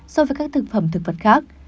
so với các thực phẩm thực vật khác